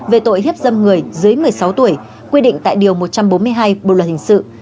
về tội hiếp dâm người dưới một mươi sáu tuổi quy định tại điều một trăm bốn mươi hai bộ luật hình sự